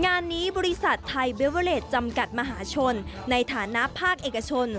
งานนี้บริษัทไทยเบเวอเลสจำกัดมหาชนในฐานะภาคเอกชน